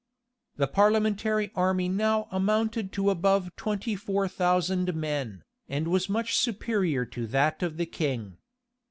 The parliamentary army now amounted to above twenty four thousand men, and was much superior to that of the king.